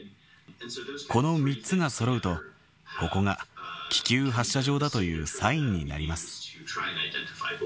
この３つがそろうと、ここが気球発射場だというサインになります。